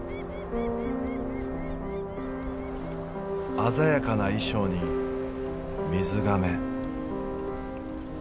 鮮やかな衣装に水がめ。